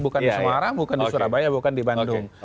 bukan di semarang bukan di surabaya bukan di bandung